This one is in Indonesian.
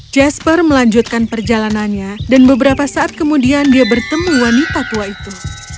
jasper melanjutkan perjalanannya dan beberapa saat kemudian dia bertemu wanita tua itu